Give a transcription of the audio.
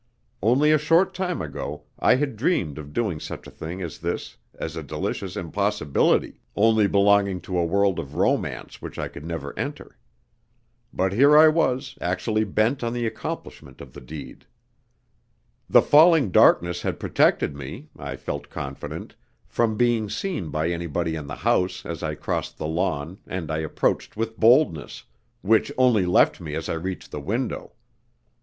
Only a short time ago I had dreamed of doing such a thing as this as a delicious impossibility, only belonging to a world of romance which I could never enter. But here I was actually bent on the accomplishment of the deed. The falling darkness had protected me, I felt confident, from being seen by anybody in the house as I crossed the lawn, and I approached with boldness, which only left me as I reached the window.